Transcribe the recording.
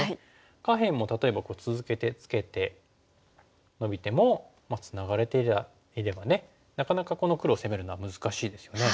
下辺も例えば続けてツケてノビてもツナがれていればなかなかこの黒を攻めるのは難しいですよね。